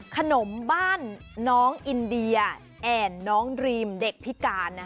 ขนมบ้านน้องอินเดียแอ่นน้องดรีมเด็กพิการ